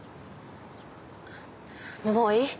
もういい？